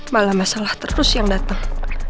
malah masalah terus yang datang